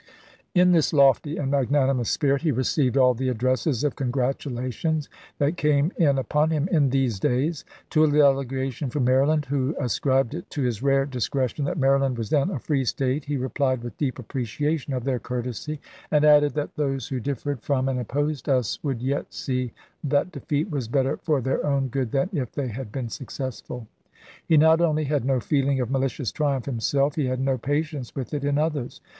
In this lofty and magnanimous spirit he received all the addresses of congratulation that came in upon him in these days. To a delegation from Maryland who ascribed it to his rare discretion that Maryland was then a free State he replied with deep appreciation of their courtesy, and added, that those who differed from and opposed us would yet see that defeat was better for their own good than if they had been successful. He not only had no feeling of malicious triumph himself, he had no patience with it in others.